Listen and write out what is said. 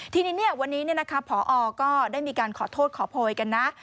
ทีนี้วันนี้พอก็ได้มีการขอโทษขอโพยกันนะ